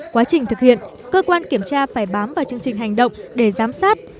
quá trình thực hiện cơ quan kiểm tra phải bám vào chương trình hành động để giám sát